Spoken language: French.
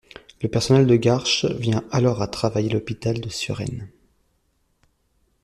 Le personnel de Garches vient alors à travailler l'hôpital de Suresnes.